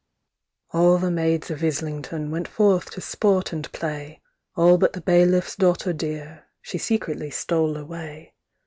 'VAll the maids of IslingtonWent forth to sport and play; All but the bailiff's daughter dear; She secretly stole away.